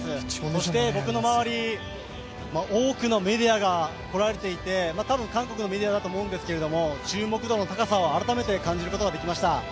そして僕の周り、多くのメディアが来られていて多分韓国のメディアだと思うんですが、注目度の高さを改めて感じることができました。